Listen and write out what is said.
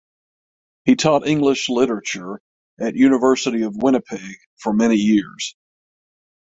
He taught English literature at University of Winnipeg for many years.